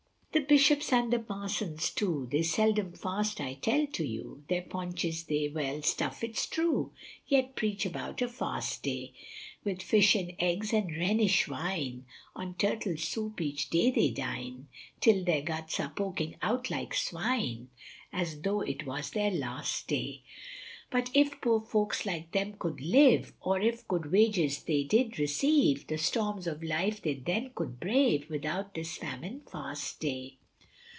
The Bishops and the Parsons too, They seldom fast I tell to you, Their paunches they well stuff it's true, Yet preach about a fast day, With fish and eggs, and Rhenish wine, On turtle soup each day they dine, Till their guts are poking out like swine, As though it was their last day, But if poor folks like them could live, Or if good wages they did receive, The storms of life they then could brave Without this famine fast day.